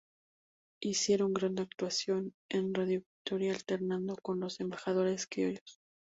Hicieron gran actuación en Radio Victoria alternando con Los Embajadores Criollos.